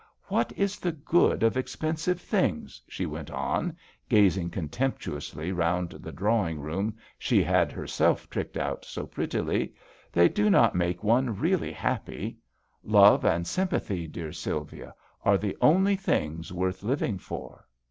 " What is the good of expen 84 THE VIOLIN OBBLIGATO. sive things ?" she went on, gazing contemptuously round the drawing room she had herself tricked out so prettily, " they do not make one really happy. Love and sympathy, dear Sylvia, are the only things worth living for."